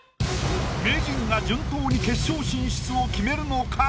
名人が順当に決勝進出を決めるのか？